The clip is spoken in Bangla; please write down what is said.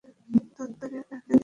ধুত্তুরি, ওটাকে দেখতে পাচ্ছি না।